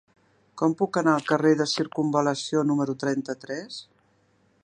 Com puc anar al carrer de Circumval·lació número trenta-tres?